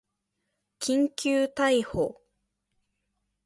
緊急逮捕